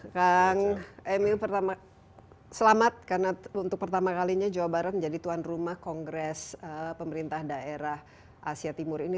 kang emil selamat karena untuk pertama kalinya jawa barat menjadi tuan rumah kongres pemerintah daerah asia timur ini